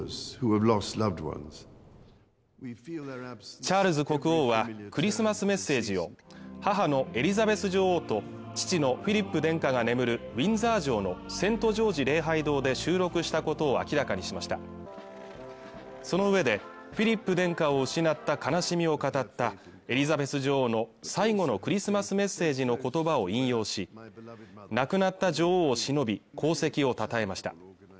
チャールズ国王はクリスマスメッセージを母のエリザベス女王と父のフィリップ殿下が眠るウィンザー城のセント・ジョージ礼拝堂で収録したことを明らかにしましたそのうえでフィリップ殿下を失った悲しみを語ったエリザベス女王の最後のクリスマスメッセージの言葉を引用し亡くなった女王をしのび功績をたたえました